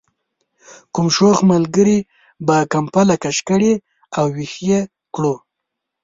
کوم شوخ ملګري به کمپله کش کړې او ویښ یې کړو.